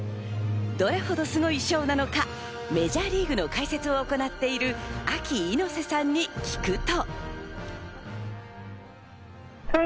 どれほどすごい賞なのか、メジャーリーグの解説を行っているＡＫＩ猪瀬さんに聞くと。